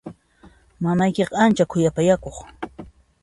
Mamaykiqa ancha khuyapayakuq.